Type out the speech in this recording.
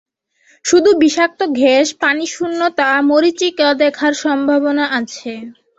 শুধু বিষাক্ত গ্যাস, পানিশূন্যতা, মরিচীকা দেখার সম্ভাবনা আছে।